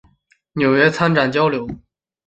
纽约参展交流